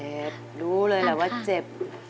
เจ็บรู้เลยว่าเจ็บ